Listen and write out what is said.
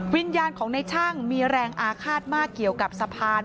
วิญญาณของในช่างมีแรงอาฆาตมากเกี่ยวกับสะพาน